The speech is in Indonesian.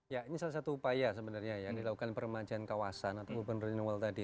ya ini salah satu upaya sebenarnya ya dilakukan peremajaan kawasan atau urban renewall tadi